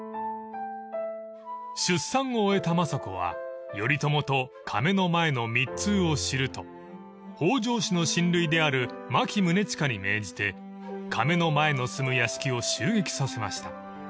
［出産を終えた政子は頼朝と亀の前の密通を知ると北条氏の親類である牧宗親に命じて亀の前の住む屋敷を襲撃させました］